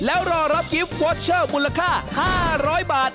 แล้วรอรับกิฟต์วอเชอร์มูลค่า๕๐๐บาท